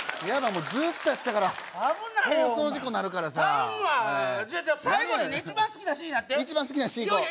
もうずっとやったから危ないよお前放送事故なるからさ頼むわじゃあ最後に一番好きなシーンやって一番好きなシーンいこう